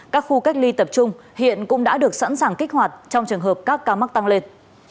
các khu cách ly tập trung hiện cũng đã được sẵn sàng kích hoạt trong trường hợp các ca mắc tăng lên